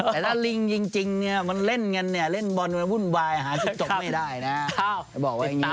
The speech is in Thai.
แต่ถ้าลิงจริงมันเล่นกันเนี่ยเล่นบอลหมื่นวายอาหารที่จบไม่ได้นะนะ